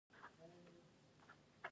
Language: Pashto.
هغه غوره او خوندور مشروبات څښي